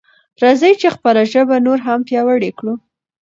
راځئ چې خپله ژبه نوره هم پیاوړې کړو.